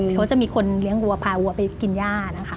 เขาจะมีคนเลี้ยงวัวพาวัวไปกินย่านะคะ